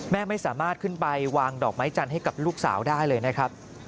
แม่ไม่สามารถขึ้นไปวางดอกไม้จันทร์ให้กับลูกสาวได้เลยนะครับ